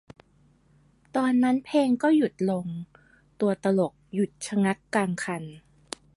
ตอนนั้นเพลงก็หยุดลง ตัวตลกหยุดชะงักกลางคัน